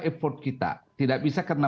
effort kita tidak bisa karena